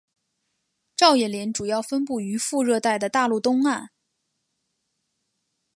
照叶林主要分布于副热带的大陆东岸。